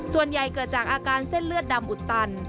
เกิดจากอาการเส้นเลือดดำอุดตัน